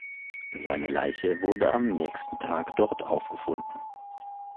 Seine Leiche wurde am nächsten Tag dort aufgefunden.